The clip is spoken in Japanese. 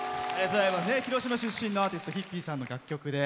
広島出身のアーティストＨＩＰＰＹさんの楽曲で。